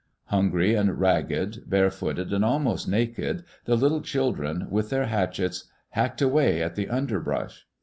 Hungry and ragged, barefooted and almost naked, the little children, with their hatchets, hacked away at the underbrush.